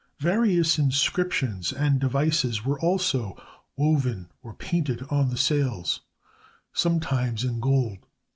Various inscriptions and devices were also woven or painted on the sails, sometimes in gold.